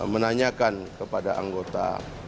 menanyakan kepada anggota